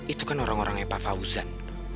itu kan orang orangnya papa uzan